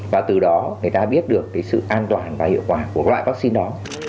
và từ đó người ta biết được sự an toàn và hiệu quả của loại vaccine đó